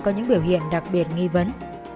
có những biểu hiện đặc biệt nghi vấn